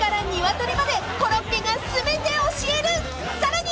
［さらに］